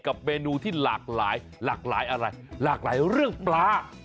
เมนูที่หลากหลายหลากหลายอะไรหลากหลายเรื่องปลา